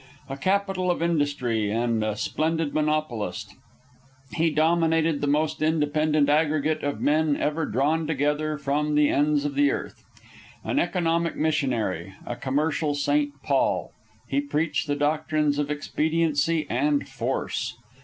A captain of industry and a splendid monopolist, he dominated the most independent aggregate of men ever drawn together from the ends of the earth. An economic missionary, a commercial St. Paul, he preached the doctrines of expediency and force.